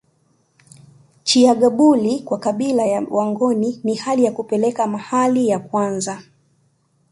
Chiyagabuli kwa kabila la wangoni ni hali ya kupeleka mahali ya kwanza